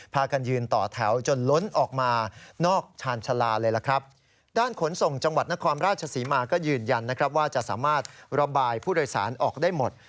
พากันยืนต่อแถวจนล้นออกมานอกชาญชาลาเลยล่ะครับด้านขนส่งจังหวัดนครราชศรีมาก็ยืนยันนะครับว่าจะสามารถระบายผู้โดยสารออกได้หมด